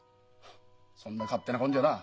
そんな勝手なことじゃな